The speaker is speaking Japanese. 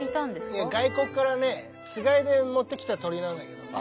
外国からねつがいで持ってきた鳥なんだけどね。